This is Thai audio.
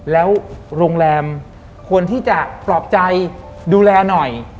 แล้วโรงแรมควรที่จะปลอบใจดูแลหน่อย